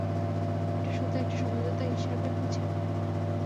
এটা শুধু একটা সমঝোতা হিসাবে বুঝে নাও।